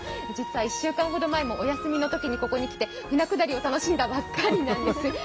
実は１週間前もお休みのときにここに来て舟下りを楽しんだばかりなんです。